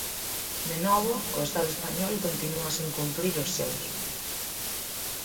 De novo, o Estado español continúa sen cumprir os seus.